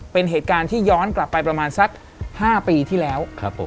เป็นเหตุการณ์ที่ย้อนกลับไปประมาณสัก๕ปีที่แล้ว